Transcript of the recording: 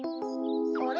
あれ？